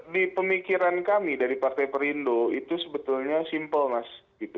di pemikiran kami dari partai perindo itu sebetulnya simple mas